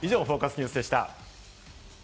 ニュースでした。